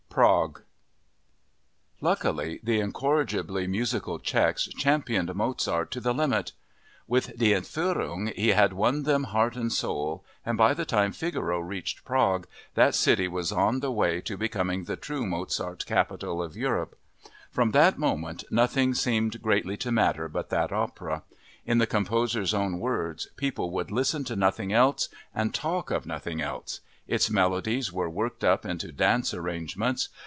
Prague Luckily, the incorrigibly musical Czechs championed Mozart to the limit! With Die Entführung he had won them heart and soul, and by the time Figaro reached Prague, that city was on the way to becoming the true Mozart capital of Europe. From that moment nothing seemed greatly to matter but that opera. In the composer's own words, people would listen to nothing else and talk of nothing else. Its melodies were worked up into dance arrangements.